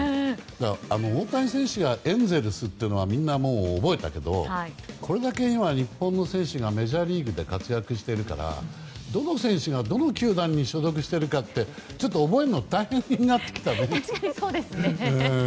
大谷選手がエンゼルスっていうのはみんな覚えたけどこれだけ今、日本の選手がメジャーリーグで活躍しているからどの選手がどの球団に所属しているかってちょっと覚えるの大変になってきたね。